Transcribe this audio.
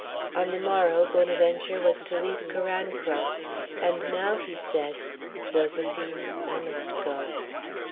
On the morrow Bonaventure was to leave Carancro. And now he said, "Zoséphine, I must go."